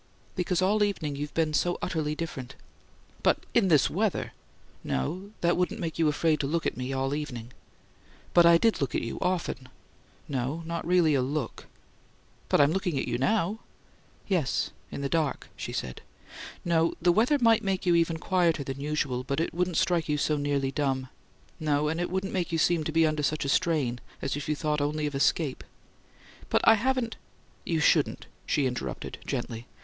"Because all evening you've been so utterly different." "But in this weather " "No. That wouldn't make you afraid to look at me all evening!" "But I did look at you. Often." "No. Not really a LOOK." "But I'm looking at you now." "Yes in the dark!" she said. "No the weather might make you even quieter than usual, but it wouldn't strike you so nearly dumb. No and it wouldn't make you seem to be under such a strain as if you thought only of escape!" "But I haven't " "You shouldn't," she interrupted, gently.